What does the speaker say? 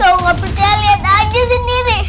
oh gak percaya lihat aja sendiri